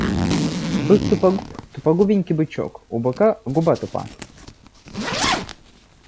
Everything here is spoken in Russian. Бык тупогуб, тупогубенький бычок, у быка губа тупа.